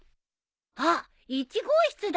あっ１号室だ。